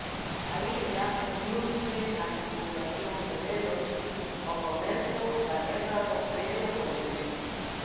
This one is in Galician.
A illa uniuse á confederación de Delos ao comezo da guerra do Peloponeso.